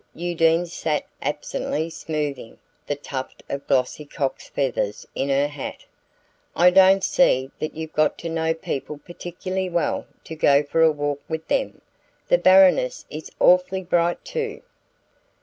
Undine sat absently smoothing the tuft of glossy cock's feathers in her hat. "I don't see that you've got to know people particularly well to go for a walk with them. The Baroness is awfully bright too."